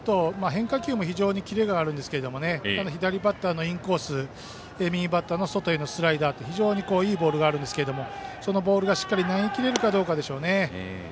変化球も非常にキレがあるんですけれども左バッターのイニング右バッターの外へのスライダーと非常にいいボールがあるんですがそのボールがしっかり投げきれるかでしょうね。